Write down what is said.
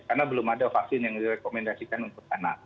karena belum ada vaksin yang direkomendasikan untuk anak